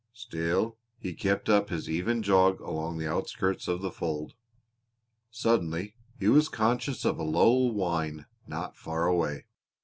Still he kept up his even jog along the outskirts of the fold. Suddenly he was conscious of a low whine not far away.